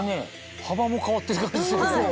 幅も変わってる感じする。